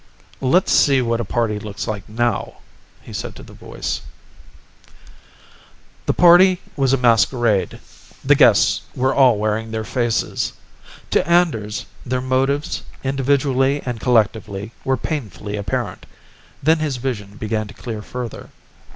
"Let's see what a party looks like now," he said to the voice. The party was a masquerade; the guests were all wearing their faces. To Anders, their motives, individually and collectively, were painfully apparent. Then his vision began to clear further.